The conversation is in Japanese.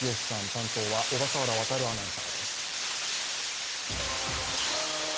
担当は小笠原亘アナウンサーです。